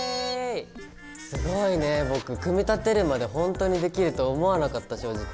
すごいね僕組み立てるまでほんとにできると思わなかった正直。